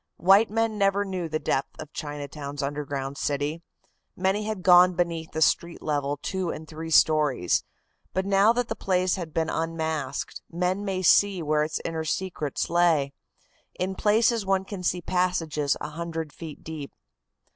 White men never knew the depth of Chinatown's underground city. Many had gone beneath the street level two and three stories, but now that the place had been unmasked, men may see where its inner secrets lay. In places one can see passages a hundred feet deep.